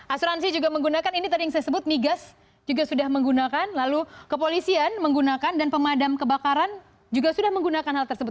asuransi juga menggunakan ini tadi yang saya sebut migas juga sudah menggunakan lalu kepolisian menggunakan dan pemadam kebakaran juga sudah menggunakan hal tersebut